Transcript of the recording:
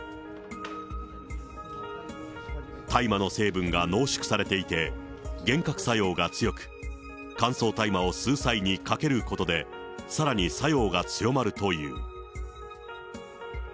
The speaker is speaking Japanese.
大麻の成分が濃縮されていて、幻覚作用が強く、乾燥大麻を吸う際にかけることで、さらに作用が強まるという。